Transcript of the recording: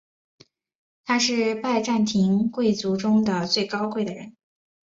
他是拜占庭贵族中最高贵的人。